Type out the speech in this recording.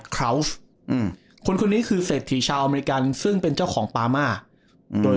คราวฟคนนี้คือเศรษฐีชาอเมริกาซึ่งเป็นเจ้าของปามาโดย